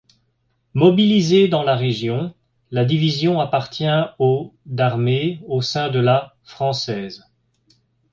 Mobilisée dans la Région, la division appartient au d'armée, au sein de la française.